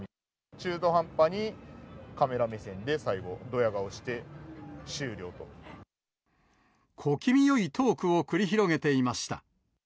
中途半端にカメラ目線で最後、小気味よいトークを繰り広げていました。